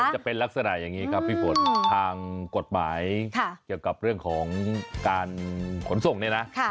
จะเป็นลักษณะอย่างนี้ครับพี่ฝนทางกฎหมายเกี่ยวกับเรื่องของการขนส่งเนี่ยนะ